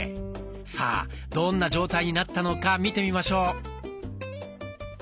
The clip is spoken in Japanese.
さあどんな状態になったのか見てみましょう。